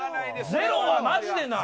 ゼロはマジでない！